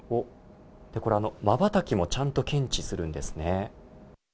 これ、まばたきもちゃんと検知するんですね。